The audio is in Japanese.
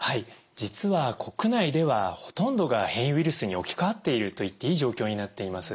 実は国内ではほとんどが変異ウイルスに置き換わっていると言っていい状況になっています。